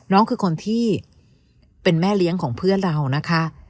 น้องคือคนที่เป็นแม่เลี้ยงของเพื่อนเรานะคะ